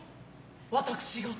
私が。